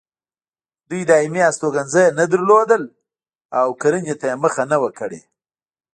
دوی دایمي استوګنځي نه لرل او کرنې ته یې مخه نه وه کړې.